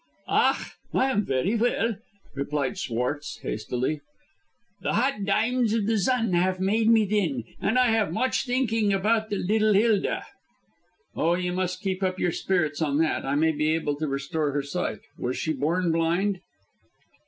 "Ach! I am ferry vell," replied Schwartz, hastily. "The hot dimes of the zun haf made me thin, and I haf moch thinking apout the liddle Hilda." "Oh, you must keep up your spirits about that. I may be able to restore her sight. Was she born blind?"